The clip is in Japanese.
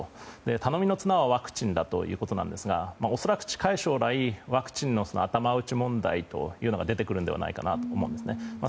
頼みの綱はワクチンだということですが恐らく、近い将来ワクチンの頭打ち問題というのが出てくるのではないかと思います。